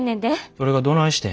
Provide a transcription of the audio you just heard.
それがどないしてん。